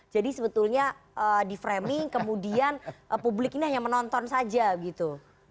jadi sebetulnya di framing kemudian publik ini hanya menonton saja gitu